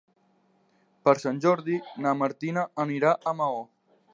Per Sant Jordi na Martina anirà a Maó.